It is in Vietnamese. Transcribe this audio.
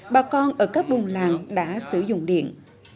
bà con ở các buôn làng đã sử dụng điện